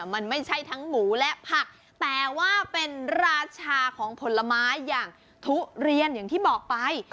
มันไม่ใช่ทั้งหมูและผักแต่ว่าเป็นราชาของผลไม้อย่างทุเรียนอย่างที่บอกไป